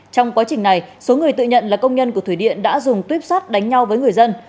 trong quá trình này số người tự nhận là công nhân của thủy điện đã dùng tuyếp sát đánh nhau với người dân